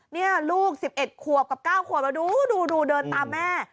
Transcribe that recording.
นี่ลูก๑๑ครัวกับ๙ครัวมาดูเดินตามแม่